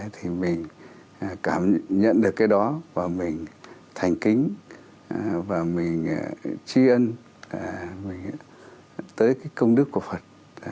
thì mình cảm nhận được cái đó và mình thành kính và mình chi ân tới cái công đức của phật